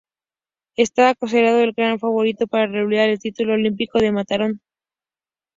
Estaba considerado el gran favorito para revalidar el título olímpico de maratón.